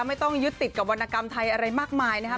ไม่ต้องยึดติดกับวรรณกรรมไทยอะไรมากมายนะครับ